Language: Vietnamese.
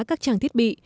các trang thiết bị